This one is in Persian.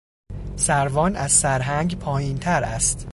سروان از سرهنگ پایینتر است.